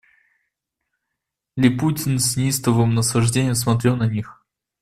Липутин с неистовым наслаждением смотрел на них.